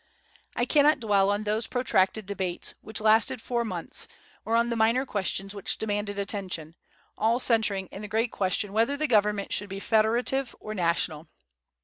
I cannot dwell on those protracted debates, which lasted four months, or on the minor questions which demanded attention, all centering in the great question whether the government should be federative or national.